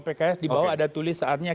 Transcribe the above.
pks di bawah ada tulis saatnya